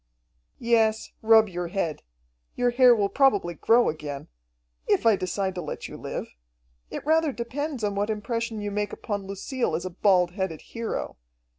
"Yes, rub your head. Your hair will probably grow again if I decide to let you live. It rather depends upon what impression you make upon Lucille as a bald headed hero.